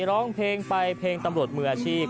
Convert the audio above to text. ร้องเพลงไปเพลงตำรวจมืออาชีพ